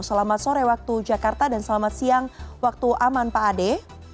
selamat sore waktu jakarta dan selamat siang waktu aman pak ade